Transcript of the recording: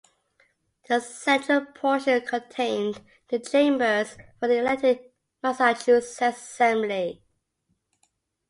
The central portion contained the chambers for the elected Massachusetts Assembly.